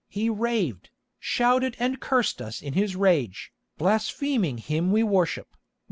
He raved, shouted and cursed us in his rage, blaspheming Him we worship.